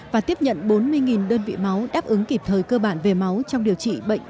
và tiếp nhận bốn mươi đơn vị máu đáp ứng kịp thời cơ bản về máu trong điều trị bệnh